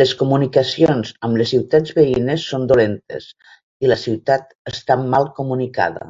Les comunicacions amb les ciutats veïnes són dolentes i la ciutat està mal comunicada.